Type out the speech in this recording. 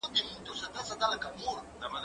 زه د لوبو لپاره وخت نيولی دی!.